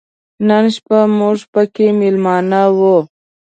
نن شپه موږ پکې مېلمانه و.